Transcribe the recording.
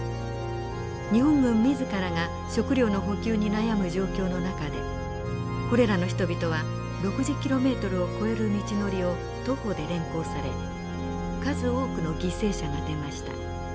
日本軍自らが食糧の補給に悩む状況の中でこれらの人々は６０キロメートルを超える道のりを徒歩で連行され数多くの犠牲者が出ました。